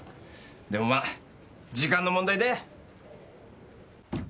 でもまあ時間の問題だよ。